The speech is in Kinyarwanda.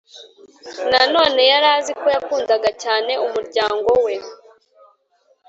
Nanone yari azi ko yakundaga cyane umuryango we